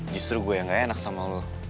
justru gue yang gak enak sama lo